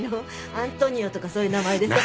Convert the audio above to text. アントニオとかそういう名前でさ。